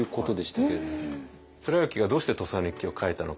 貫之がどうして「土佐日記」を書いたのか。